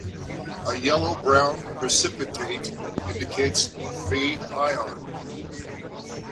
A yellow-brown precipitate indicates Fe ion.